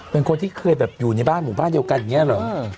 เป็นคนที่เคยแบบอยู่ในบ้านหมู่บ้านเดียวกันอย่างนี้เหรอ